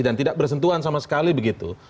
dan tidak bersentuhan sama sekali begitu